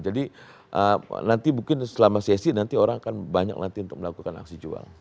jadi nanti mungkin selama sesi nanti orang akan banyak nanti untuk melakukan aksi jual